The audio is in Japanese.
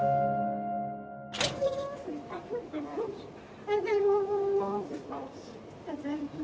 おはようございます！